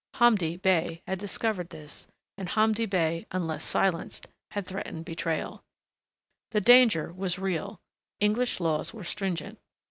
Hamdi Bey had discovered this, and Hamdi Bey, unless silenced, had threatened betrayal. The danger was real. English laws were stringent.